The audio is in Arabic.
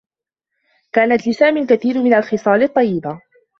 كانت لسامي الكثير من الخصال الطّيّبة.